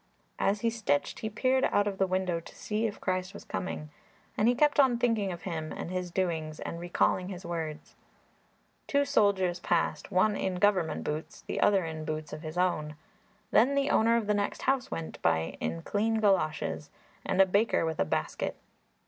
As he stitched he peered out of the window to see if Christ was coming, and he kept on thinking of Him and His doings and recalling His words. Two soldiers passed; one in Government boots, the other in boots of his own; then the owner of the next house went by in clean goloshes, and a baker with a basket.